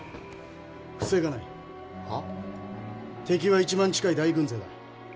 敵は１万近い大軍勢だ。